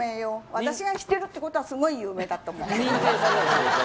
私が知ってたってことはすごい有名だと思う。